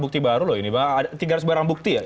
bukti baru loh ini ada tiga ratus barang bukti ya